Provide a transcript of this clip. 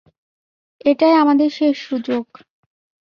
এটাই আমাদের শেষ সুযোগ।